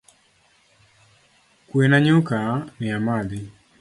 Kue na nyuka ni amadhi